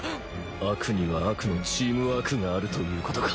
悪には悪のチームワークがあるということか。